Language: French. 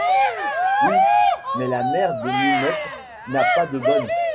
Oui, mais la mère de Ninette n’a pas de bonne.